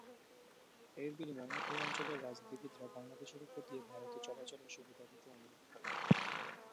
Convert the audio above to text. এর বিনিময়ে এই অঞ্চলের রাজনীতিবিদরা বাংলাদেশের ওপর দিয়ে ভারতের চলাচলের সুবিধা দিতে অনুরোধ করে।